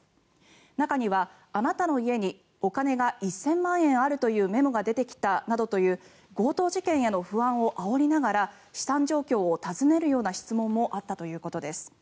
中には、あなたの家にお金が１０００万円あるというメモが出てきたなどという強盗事件への不安をあおりながら資産状況を尋ねるような質問もあったということです。